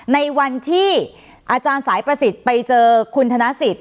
ในวันที่อาจารย์สายประสิทธิ์ไปเจอคุณธนสิทธิ